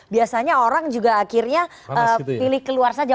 biasanya orang juga akhirnya pilih keluar saja